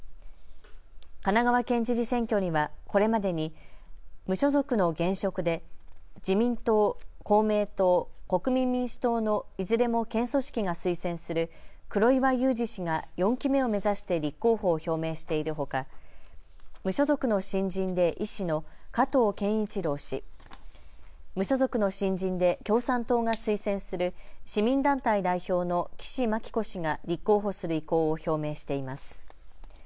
神奈川県知事選挙にはこれまでに無所属の現職で自民党、公明党、国民民主党のいずれも県組織が推薦する黒岩祐治氏が４期目を目指して立候補を表明しているほか、無所属の新人で医師の加藤健一郎氏、無所属の新人で共産党が推薦する市民団体代表の岸牧子氏が立候補する意向を表明しています。